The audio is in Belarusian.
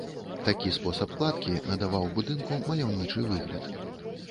Такі спосаб кладкі надаваў будынку маляўнічы выгляд.